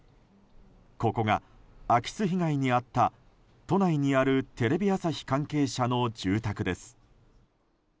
ここが空き巣被害に遭った都内にあるテレビ朝日関係者の住宅です。